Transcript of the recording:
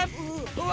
うわ！